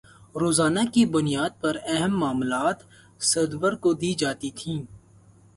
روزانہ کی بنیاد پر اہم معلومات صدور کو دی جاتی تھیں